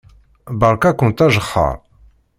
Beṛka-kent ajexxeṛ.